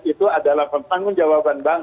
itu adalah pertanggung jawaban bank